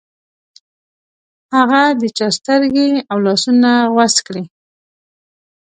هغه د چا سترګې او لاسونه غوڅ کړې.